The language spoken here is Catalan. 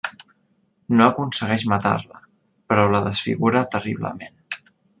No aconsegueix matar-la però la desfigura terriblement.